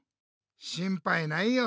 しんぱいないよ。